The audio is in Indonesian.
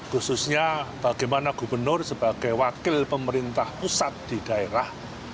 khususnya bagaimana gubernur sebagai wakil pemerintah pusat di daerah